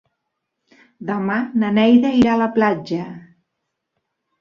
Demà na Neida irà a la platja.